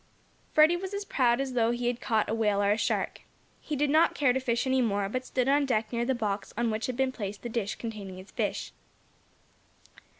Freddie was as proud as though he had caught a whale or a shark. He did not care to fish any more, but stood on deck near the box on which had been placed the dish containing his fish.